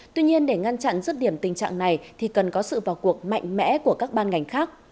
tuy nhiên để ngăn chặn rứt điểm tình trạng này thì cần có sự vào cuộc mạnh mẽ của các ban ngành khác